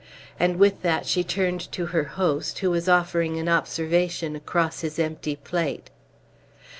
And with that she turned to her host, who was offering an observation across his empty plate.